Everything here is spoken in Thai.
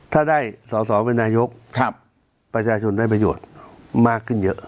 ถ้าได้สอสอเป็นนายกประชาชนได้ประโยชน์มากขึ้นเยอะ